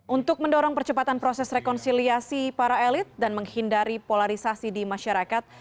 untuk mendorong percepatan proses rekonsiliasi para elit dan menghindari polarisasi di masyarakat